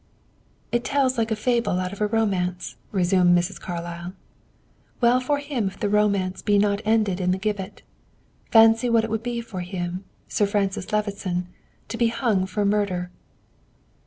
"It tells like a fable out of a romance," resumed Mrs. Carlyle. "Well for him if the romance be not ended in the gibbet. Fancy what it would be for him Sir Francis Levison to be hung for murder!"